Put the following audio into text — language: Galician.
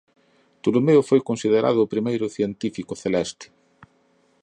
Tolomeo foi considerado o primeiro "científico celeste".